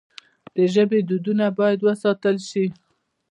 د ژبې دودونه باید وساتل سي.